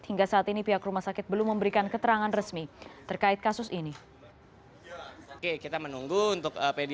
hingga saat ini pihak rumah sakit belum memberikan keterangan resmi terkait kasus ini